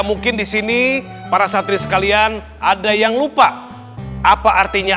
mungkin disini para satri sekalian ada yang lupa apa artinya